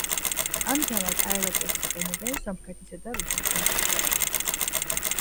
ამჟამად აეროპორტს იყენებენ სომხეთისა და რუსეთის სამხედროები.